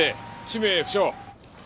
氏名不詳。